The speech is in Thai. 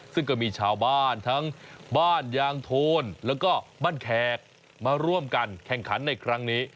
ซึ่งก็มีชาวบ้านทั้งบ้านยางโทนแล้วก็บ้านแขกมาร่วมกันแข่งขันในครั้งนี้